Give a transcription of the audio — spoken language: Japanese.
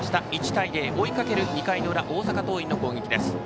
１対０、追いかける２回の裏大阪桐蔭の攻撃です。